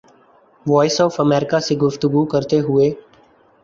voice of America سے گفتگو کرتے ہوئے